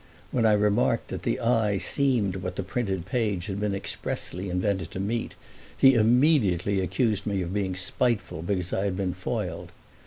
When I remarked that the eye seemed what the printed page had been expressly invented to meet he immediately accused me of being spiteful because I had been foiled.